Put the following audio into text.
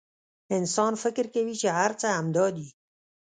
انسان فکر کوي چې هر څه همدا دي.